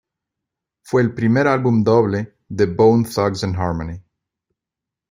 Fue el primer álbum doble de Bone Thugs N-Harmony.